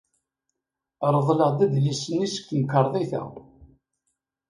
Reḍleɣ-d adlis-nni seg temkarḍit-a.